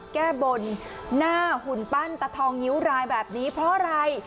แก้บนหน้าหุ่นปั้นตะทองงิ้วรายแบบนี้เพราะอะไร